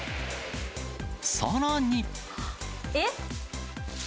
さらに。え？